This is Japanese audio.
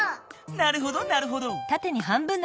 なるほどなるほど。